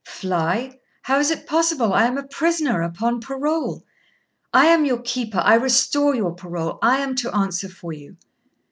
'Fly? how is it possible? I am a prisoner, upon parole.' 'I am your keeper; I restore your parole; I am to answer for you.'